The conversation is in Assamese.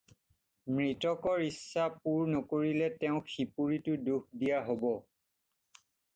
মৃতকৰ ইচ্ছা পূৰ নকৰিলে তেওঁক সিপুৰীতো দুখ দিয়া হ'ব।